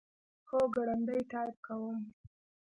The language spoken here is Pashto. هو، ګړندی ټایپ کوم